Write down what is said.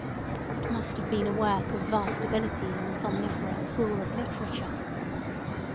It must have been a work of vast ability in the somniferous school of literature.